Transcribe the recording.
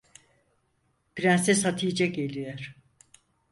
Prenses Hatice geliyor.